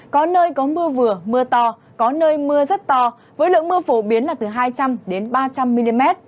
có nơi có mưa vừa mưa to có nơi mưa rất to với lượng mưa phổ biến là từ hai trăm linh ba trăm linh mm